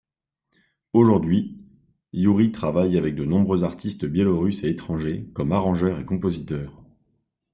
Aujourd'hui, Youri travaille avec de nombreux artistes biélorusses et étrangers comme arrangeur et compositeur.